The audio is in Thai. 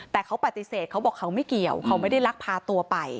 แต่เขาปฏิเสธเขาบอกเขาไม่เกี่ยวเขาไม่ได้ลักพาตัวไป